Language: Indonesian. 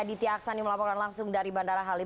aditya aksan yang melaporkan langsung dari bandara halim